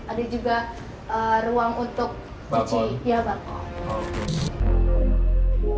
ada juga ruang untuk cuci